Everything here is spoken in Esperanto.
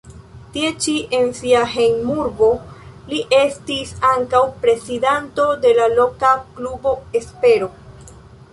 Tie ĉi, en sia hejmurbo, li estis ankaŭ prezidanto de la loka klubo Espero.